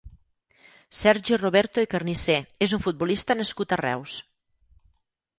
Sergi Roberto i Carnicer és un futbolista nascut a Reus.